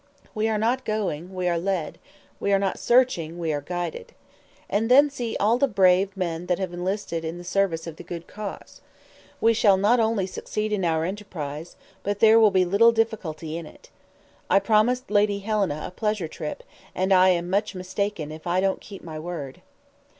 We are not going, we are led; we are not searching, we are guided. And then see all the brave men that have enlisted in the service of the good cause. We shall not only succeed in our enterprise, but there will be little difficulty in it. I promised Lady Helena a pleasure trip, and I am much mistaken if I don't keep my word."